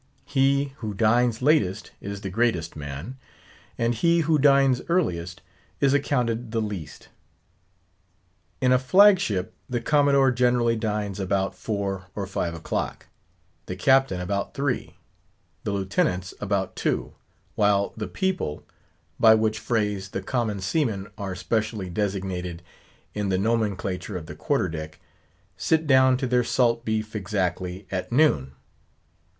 He who dines latest is the greatest man; and he who dines earliest is accounted the least. In a flag ship, the Commodore generally dines about four or five o'clock; the Captain about three; the Lieutenants about two; while the people (by which phrase the common seamen are specially designated in the nomenclature of the quarter deck) sit down to their salt beef exactly at noon.